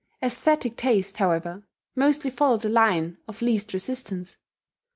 Aesthetic taste, however, mostly followed the line of least resistance.